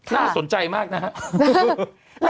น่าสนใจมากนะครับ